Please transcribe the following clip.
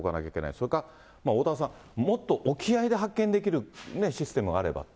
それか、おおたわさん、もっと沖合で発見できるシステムがあればって。